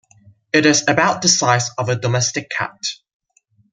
It is about the size of a domestic cat.